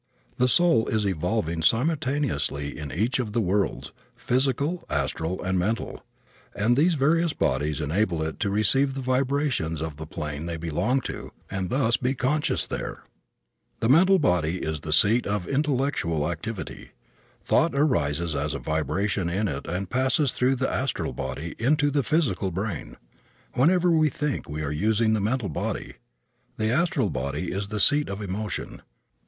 The soul is evolving simultaneously in each of the worlds, physical, astral and mental, and these various bodies enable it to receive the vibrations of the plane they belong to and thus to be conscious there. The mental body is the seat of intellectual activity. Thought arises as a vibration in it and passes through the astral body into the physical brain. Whenever we think we are using the mental body. The astral body is the seat of emotion.